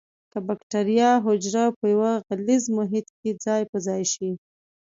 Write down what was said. که بکټریا حجره په یو غلیظ محیط کې ځای په ځای شي.